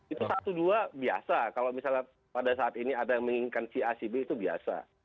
itu satu dua biasa kalau misalnya pada saat ini ada yang menginginkan si a si b itu biasa